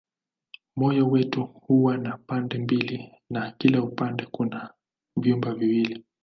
Moyo wetu huwa na pande mbili na kila upande kuna vyumba viwili.